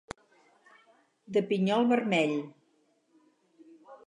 De pinyol vermell.